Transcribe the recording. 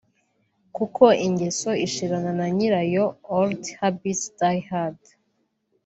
Kuko ingeso ishirana na nyirayo (old habits die hard)